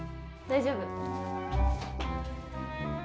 大丈夫。